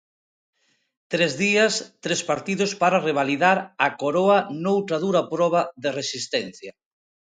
Tres días, tres partidos para revalidar a coroa noutra dura proba de resistencia.